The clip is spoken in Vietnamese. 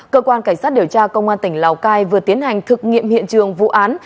cơ quan cảnh sát điều tra công an tỉnh lào cai vừa tiến hành thực nghiệm hiện trường vụ án